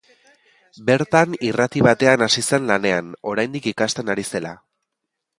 Bertan irrati batean hasi zen lanean, oraindik ikasten ari zela.